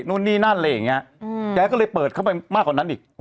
นู่นนี่นั่นแกก็เลยเปิดเข้าไปมากกว่านั้นอีก